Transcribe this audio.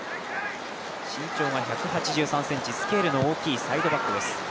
身長が１８３ｃｍスケールの大きいサイドバックです。